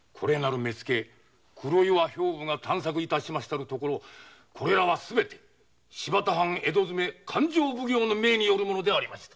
目付黒岩が探索致しましたところこれらは新発田藩江戸詰勘定奉行の命によるものでありました。